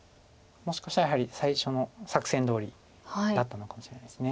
もしかしたらやはり最初の作戦どおりだったのかもしれないです。